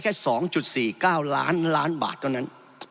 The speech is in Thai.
แค่๒๔๙ล้านล้านบาทเท่านั้น